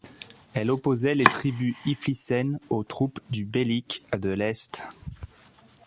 Elle opposait les tribus Iflissen aux troupes du Beylik de l'Est.